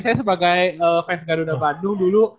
saya sebagai fans garuda bandung dulu